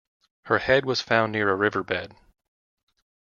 Her head was found near a riverbed.